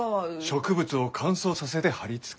植物を乾燥させて貼り付ける。